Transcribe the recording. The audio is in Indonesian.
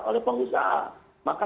oleh pengusaha maka